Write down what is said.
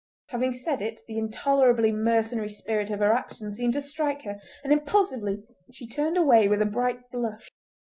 Having said it the intolerably mercenary spirit of her action seemed to strike her, and impulsively she turned away with a bright blush.